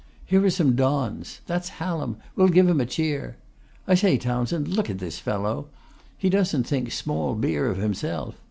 Here are some Dons. That's Hallam! We'll give him a cheer. I say, Townshend, look at this fellow. He doesn't think small beer of himself.